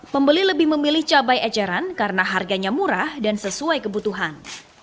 pembeli lebih memilih cabai eceran karena harganya murah dan sesuai kebutuhan